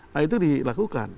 nah itu dilakukan